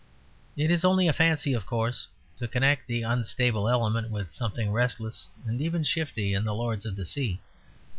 It is only a fancy, of course, to connect the unstable element with something restless and even shifty in the lords of the sea.